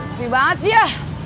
ambil banget sih ya